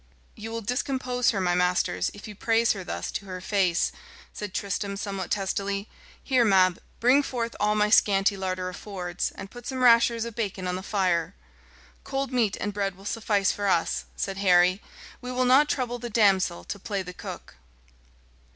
"You will discompose her, my masters, if you praise her thus to her face," said Tristram somewhat testily. "Here, Mab, bring forth all my scanty larder affords, and put some rashers of bacon on the fire." "Cold meat and bread will suffice for us," said Harry: "we will not trouble the damsel to play the cook."